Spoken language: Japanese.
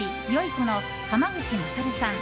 この濱口優さん